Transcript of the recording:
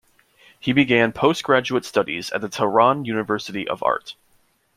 He began postgraduate studies at the Tehran University of Art.